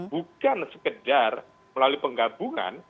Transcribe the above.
bukan sekedar melalui penggabungan